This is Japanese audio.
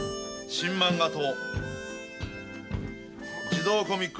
新漫画党。